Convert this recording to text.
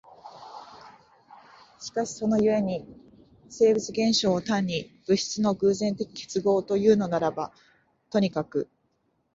しかしその故に生物現象を単に物質の偶然的結合というのならばとにかく、